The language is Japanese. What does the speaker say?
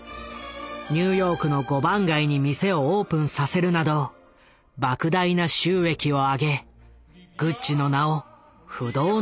ニューヨークの５番街に店をオープンさせるなどばく大な収益を上げグッチの名を不動のものとした。